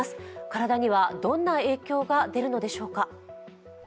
体には、どんな影響が出るのでしょうか。